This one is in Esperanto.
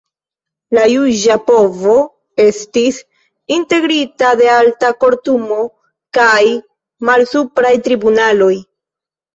El Juĝa Povo estis integrita de Alta Kortumo, kaj malsupraj tribunaloj.